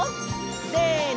せの！